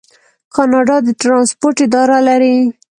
کاناډا د ټرانسپورټ اداره لري.